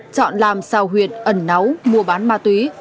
chọn làm sao huyệt ẩn náu mua bán ma túy